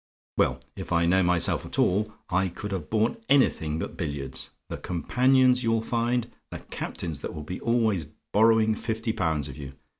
"Well, if I know myself at all, I could have borne anything but billiards. The companions you'll find! The Captains that will be always borrowing fifty pounds of you!